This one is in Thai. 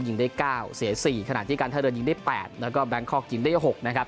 ยิงได้๙เสีย๔ขณะที่การท่าเรือยิงได้๘แล้วก็แบงคอกยิงได้๖นะครับ